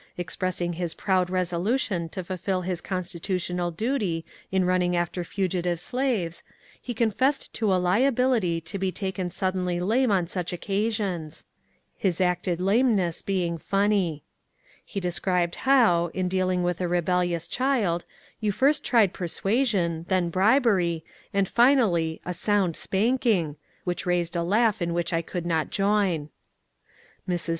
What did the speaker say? Expressing his proud resolu tion to fulfil his constitutional duty in running after fugitive slaves, he confessed to a liability to be taken suddenly lame on such occasions — his acted lameness being funny. He de DR. LOTHROP AND DR. BELLOWS 331 scribed how, in dealing with a rebellious child, you first tried persuasion, then bribery, and finally ^^a sound spanking," which raised a laugh in which I could not join. Mrs.